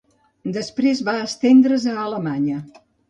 Després va estendre's a Alemanya.